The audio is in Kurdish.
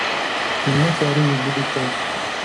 Min nekarî wî bidîta.